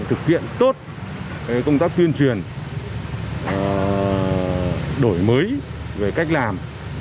thực hiện tốt công tác tuyên truyền đổi mới về cách làm